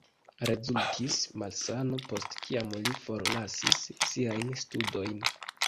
Rezultis malsano, post kiam li forlasis siajn studojn.